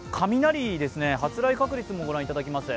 発雷確率もご覧いただきます。